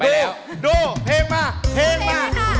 ดูดูเพลงมา